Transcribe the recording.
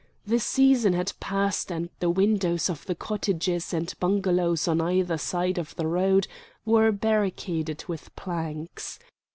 The season had passed and the windows of the cottages and bungalows on either side of the road were barricaded with planks.